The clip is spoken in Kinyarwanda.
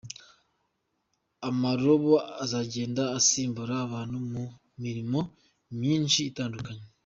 Amarobo azagenda asimbura abantu mu mirimo myinshi itandukanye.